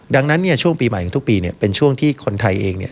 ดังนั้นเนี่ยช่วงปีใหม่ของทุกปีเป็นช่วงที่คนไทยเองเนี่ย